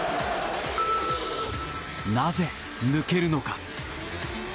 なぜ抜けるのか？